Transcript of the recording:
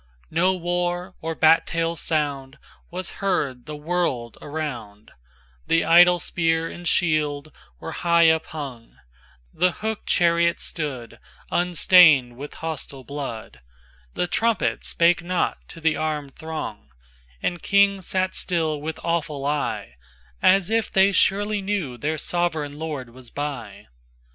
IVNo war, or battail's sound, Was heard the world around; The idle spear and shield were high uphung; The hookèd chariot stood, Unstained with hostile blood; The trumpet spake not to the armèd throng; And Kings sat still with awful eye, As if they surely knew their sovran Lord was by.